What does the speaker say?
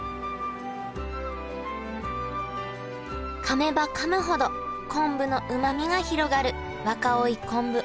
かめばかむほど昆布のうまみが広がる若生昆布